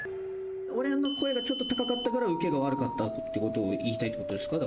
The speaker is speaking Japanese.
俺の声がちょっと高かったからウケが悪かったって事を言いたいって事ですか？